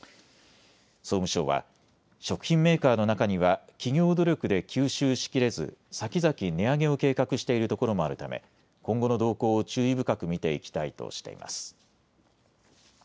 総務省は、食品メーカーの中には企業努力で吸収しきれずさきざき値上げを計画しているところもあるため今後の動向を注意深く見ていきたいとしています。